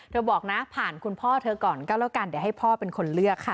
บอกนะผ่านคุณพ่อเธอก่อนก็แล้วกันเดี๋ยวให้พ่อเป็นคนเลือกค่ะ